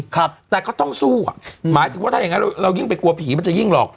ครับแต่ก็ต้องสู้อ่ะหมายถึงว่าถ้าอย่างงั้นเราเรายิ่งไปกลัวผีมันจะยิ่งหลอก